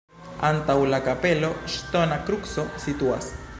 Antaŭ la kapelo ŝtona kruco situas.